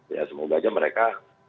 ya semoga saja mereka